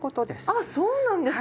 あっそうなんですね！